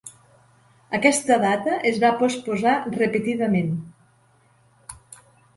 Aquesta data es va posposar repetidament.